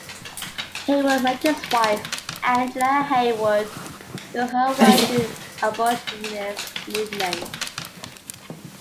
Heywood met his wife, Angela Heywood, through her work in the abolitionist movement.